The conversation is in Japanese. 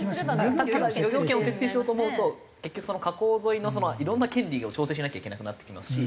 ただ漁業権を設定しようと思うと結局河口沿いのいろんな権利を調整しなきゃいけなくなってきますし。